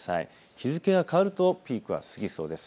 日付が変わるとピークは過ぎそうです。